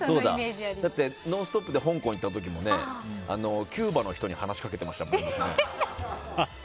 だって「ノンストップ！」で香港行った時もキューバの人に話しかけていましたからね。